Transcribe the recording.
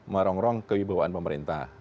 merongrong kewibawaan pemerintah